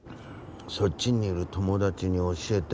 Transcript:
そっちにいる友達に教えてもらった。